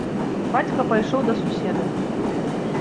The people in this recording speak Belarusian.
Бацька пайшоў да суседа.